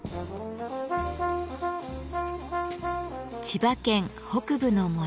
千葉県北部の森。